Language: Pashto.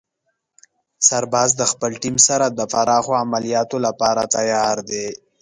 سرباز د خپلې ټیم سره د پراخو عملیاتو لپاره تیار دی.